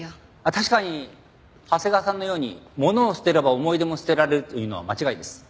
確かに長谷川さんのように物を捨てれば思い出も捨てられるというのは間違いです。